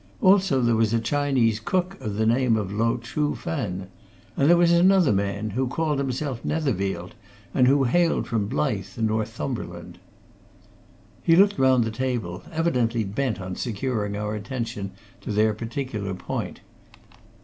Also there was a Chinese cook, of the name of Lo Chuh Fen. And there was another man, who called himself Netherfield, and who hailed from Blyth, in Northumberland." He looked round the table, evidently bent on securing our attention to their particular point.